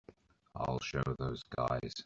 I'll show those guys.